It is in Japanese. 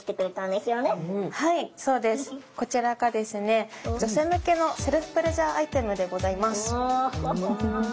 こちらが女性向けのセルフプレジャーアイテムでございます。